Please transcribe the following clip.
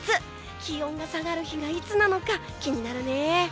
気温が下がる日がいつなのか気になるね。